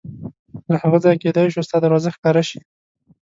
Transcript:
له هغه ځایه کېدای شوه ستا دروازه ښکاره شي.